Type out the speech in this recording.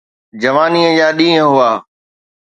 جوانيءَ جا ڏينهن هئا.